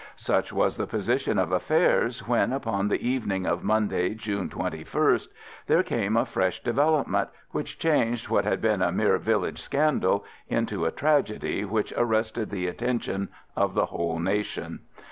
Such was the position of affairs when, upon the evening of Monday, June 21st, there came a fresh development which changed what had been a mere village scandal into a tragedy which arrested the attention of the whole nation.